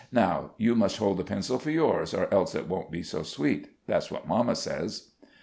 Now, you must hold the pencil for yours, or else it won't be so sweet that's what mamma says."